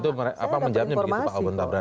itu apa menjawabnya pak obon tabrani